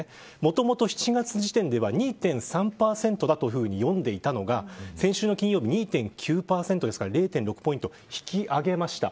もともと７月時点では２．３％でしたが先週の金曜日、２．９％で０．６ポイント引き上げました。